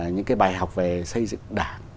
những cái bài học về xây dựng đảng